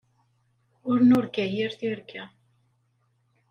Ur nurga yir tirga.